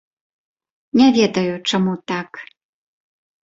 Не ведаю, чаму так.